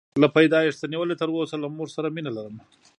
له پیدایښته نیولې تر اوسه له مور سره مینه لرم.